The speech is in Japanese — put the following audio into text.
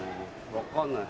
分かんない。